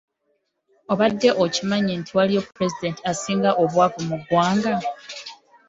Obadde okimanyi nti waliyo pulezidenti asinga obwavu mu ggwanga?